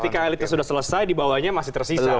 ketika elitnya sudah selesai di bawahnya masih tersisa